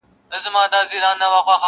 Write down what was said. اوس مي ګوره دبدبې ته او دربار ته ,